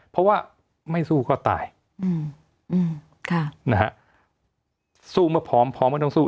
เพราะว่าไม่สู้ก็ตายอืมค่ะนะฮะสู้มาพร้อมพร้อมไม่ต้องสู้